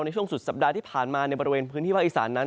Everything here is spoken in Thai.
ในช่วงสุดสัปดาห์ที่ผ่านมาในบริเวณพื้นที่ภาคอีสานนั้น